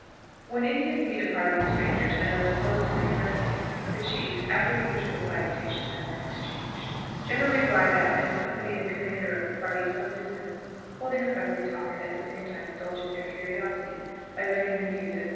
When Indians meet a party of strangers, and are disposed to be friendly, the chiefs, after the usual salutations have been exchanged, generally ride out and accompany the commander of the party some distance, holding a friendly talk, and, at the same time, indulging their curiosity by learning the news, etc.